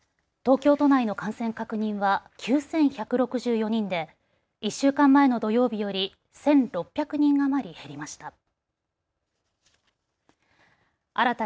東京都内の感染確認は９１６４人で１週間前の土曜日より１６００人余り減りました。